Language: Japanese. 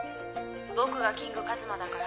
僕がキングカズマだから。